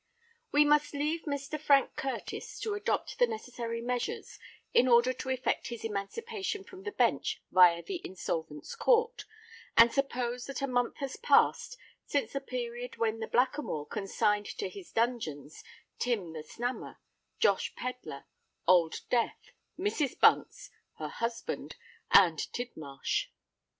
We must leave Mr. Frank Curtis to adopt the necessary measures in order to effect his emancipation from the Bench viâ the Insolvents' Court, and suppose that a month has passed since the period when the Blackamoor consigned to his dungeons Tim the Snammer, Josh Pedler, Old Death, Mrs. Bunce, her husband, and Tidmarsh.